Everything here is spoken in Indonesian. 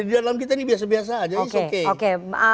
di dalam kita ini biasa biasa aja